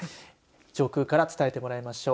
上空から伝えてもらいましょう。